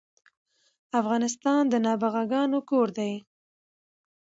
افغانستان د نابغه ګانو کور ده